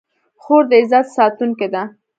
خور د عزت ساتونکې ده.